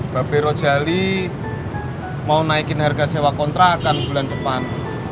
bapak berozali mau naikin harga sewa kontrakan bulan depan